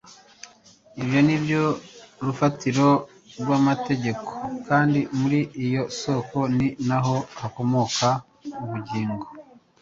Ibyo nibyo rufatiro rw'amategeko kandi muri iyo Soko ni naho hakomoka ubugingo.